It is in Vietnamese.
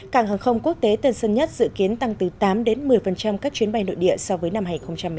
cảng hàng không quốc tế tân sơn nhất dự kiến tăng từ tám đến một mươi các chuyến bay nội địa so với năm hai nghìn một mươi chín